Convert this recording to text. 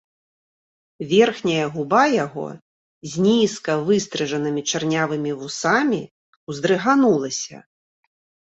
Верхняя губа яго з нізка выстрыжанымі чарнявымі вусамі ўздрыганулася.